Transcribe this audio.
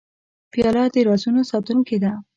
پیاله د رازونو ساتونکې ده.